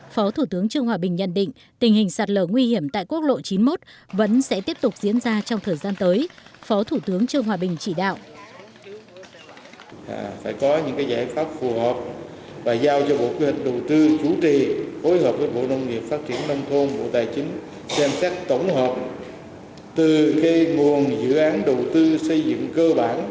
phó thủ tướng trường hòa bình nhận định tình hình sạt lờ nguy hiểm tại quốc lộ chín mươi một vẫn sẽ tiếp tục diễn ra trong thời gian tới phó thủ tướng trường hòa bình chỉ đạo